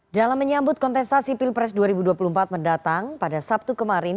dalam menyambut kontestasi pilpres dua ribu dua puluh empat mendatang pada sabtu kemarin